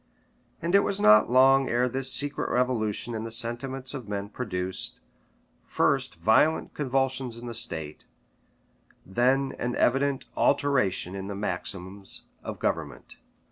And it was not long ere this secret revolution in the sentiments of men produced, first violent convulsions in the state, then an evident alteration in the maxims of government.